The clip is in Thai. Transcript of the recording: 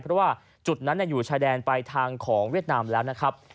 เพราะว่าจุดนั้นอยู่ชายแดนไปทางของเวียดนามแล้วนะครับ